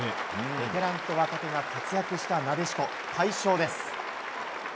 ベテランと若手が活躍したなでしこ、快勝です。